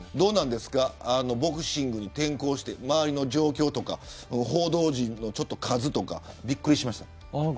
ボクシングに転向して周りの状況とか報道陣の数とかびっくりしましたか。